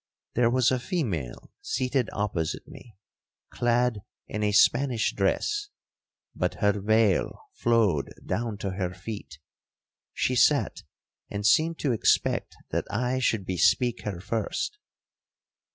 There was a female seated opposite me, clad in a Spanish dress, but her veil flowed down to her feet. She sat, and seemed to expect that I should bespeak her first.